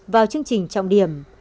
vào chương trình trọng điểm